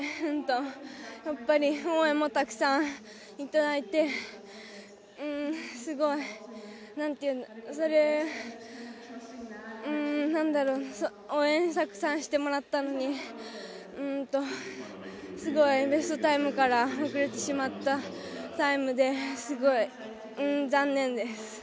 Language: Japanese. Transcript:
やっぱり応援もたくさん頂いてすごい応援をたくさんしてもらったのにすごいベストタイムから遅れてしまったタイムですごい残念です。